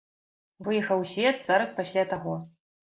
Выехаў у свет зараз пасля таго.